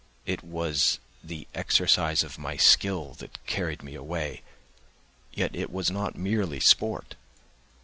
It was the exercise of my skill that carried me away; yet it was not merely sport....